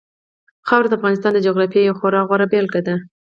خاوره د افغانستان د جغرافیې یوه خورا غوره بېلګه ده.